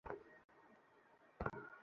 কিন্তু তারা এটাকে তেমন গুরুত্ব দেয়নি।